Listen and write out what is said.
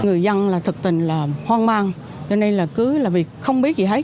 người dân là thực tình là hoang mang cho nên là cứ là việc không biết gì hết